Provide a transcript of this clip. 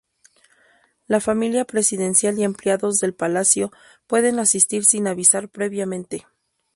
La familia presidencial y empleados del palacio pueden asistir sin avisar previamente.